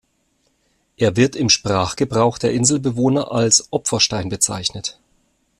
Er wird im Sprachgebrauch der Inselbewohner als Opferstein bezeichnet.